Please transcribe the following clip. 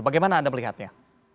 bagaimana anda melihatnya